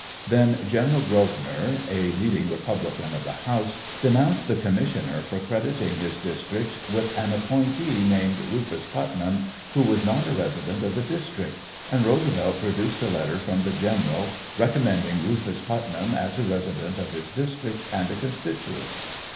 Then General Grosvenor, a leading Republican of the House, denounced the commissioner for crediting his district with an appointee named Rufus Putnam who was not a resident of the district, and Roosevelt produced a letter from the general recommending Rufus Putnam as a resident of his district and a constituent.